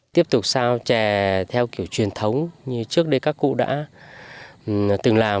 tiếp tục sao chè theo kiểu truyền thống như trước đây các cụ đã từng làm